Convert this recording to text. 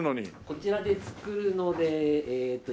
こちらで作るのでえーっと１カ月。